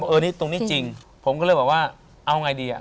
เออนี่ตรงนี้จริงผมก็เลยบอกว่าเอาไงดีอ่ะ